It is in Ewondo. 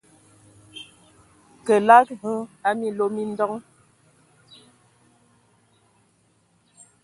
Kəlag hm a minlo mi ndoŋ !